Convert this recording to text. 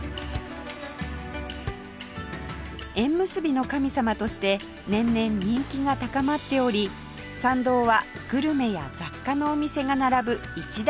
縁結びの神様として年々人気が高まっており参道はグルメや雑貨のお店が並ぶ一大観光地に